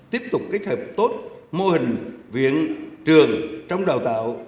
tiếp tục kết hợp tốt mô hình viện trường trong đào tạo